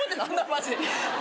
マジで。